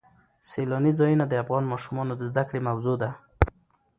سیلاني ځایونه د افغان ماشومانو د زده کړې موضوع ده.